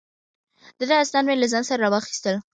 د ده اسناد مې له ځان سره را واخیستل.